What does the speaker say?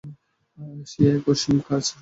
সে এক অসীম কার্স শক্তির আঁধার।